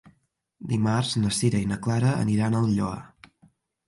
Dimarts na Sira i na Clara aniran al Lloar.